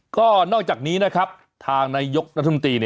ก็นอกจากนี้นะครับทางนายยกรัฐมนตรี